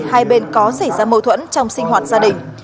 hai bên có xảy ra mâu thuẫn trong sinh hoạt gia đình